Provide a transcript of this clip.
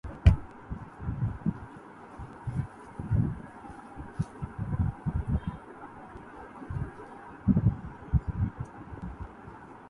وہ مرد مجاہد نظر آتا نہیں مجھ کو